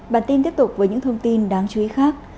bản tin tiếp tục với những thông tin đáng chú ý khác